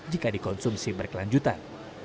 jika dikonsumsi berkelanjutan